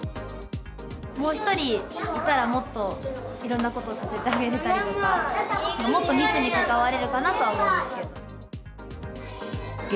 もう１人いたら、もっといろんなことさせてあげたりとか、もっと密に関われるかなとは思いますけど。